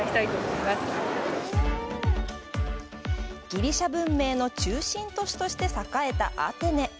ギリシャ文明の中心都市として栄えたアテネ。